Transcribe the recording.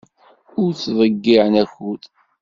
Ur ttḍeyyiɛen akud.